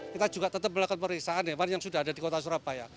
kita juga tetap melakukan pemeriksaan hewan yang sudah ada di kota surabaya